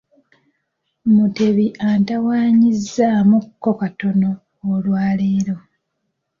Mutebi antawaanyizzaamukko katono olwaleero.